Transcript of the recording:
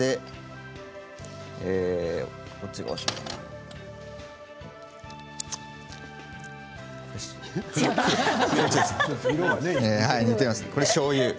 どっちがおしょうゆかな？